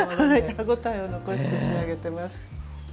歯ごたえを残して仕上げてます。